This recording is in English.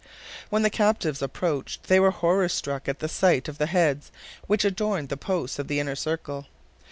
When the captives approached they were horror struck at the sight of the heads which adorned the posts of the inner circle.